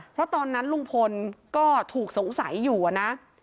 เพราะตอนนั้นลุงพลก็ถูกสงสัยอยู่นะ